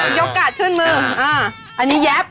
หยุดกาเดขึ้นมืออันนี้แย๊บ